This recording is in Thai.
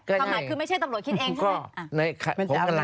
ความหมายคือไม่ใช่ตำรวจคิดเองใช่ไหม